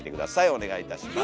お願いいたします。